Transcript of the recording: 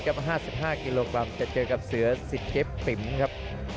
กลับมา๕๕กิโลกรัมจะเจอกับเสือสิทธิ์เต็มปิมครับ